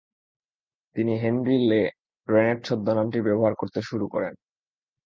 তিনি Henry Le Renet ছদ্মনামটি ব্যবহার করতে শুরু করেন।